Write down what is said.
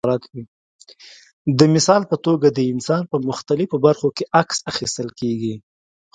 د مثال په توګه د انسان په مختلفو برخو کې عکس اخیستل کېږي.